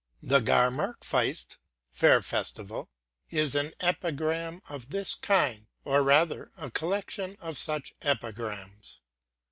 The '' Jahrmarktsfest'' ('' Fair festival'') is an epi gram of this kind, or rather a collection of such epigrams.